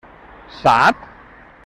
Sap?